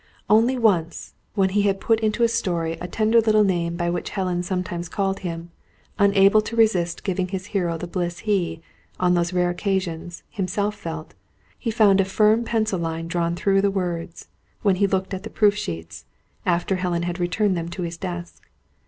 Only once, when he had put into a story a tender little name by which Helen sometimes called him, unable to resist giving his hero the bliss he, on those rare occasions, himself felt he found a firm pencil line drawn through the words, when he looked at the proof sheets, after Helen had returned them to his desk.